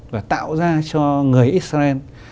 và tạo ra cho người israel